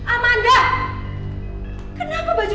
amanda kenapa baju kamu berkendang